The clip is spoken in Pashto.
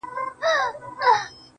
بيا چي يخ سمال پټيو څخه راسي.